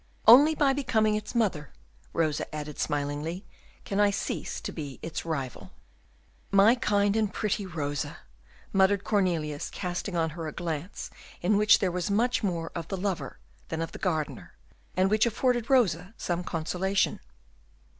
Only by becoming its mother," Rosa added, smilingly, "can I cease to be its rival." "My kind and pretty Rosa!" muttered Cornelius casting on her a glance in which there was much more of the lover than of the gardener, and which afforded Rosa some consolation.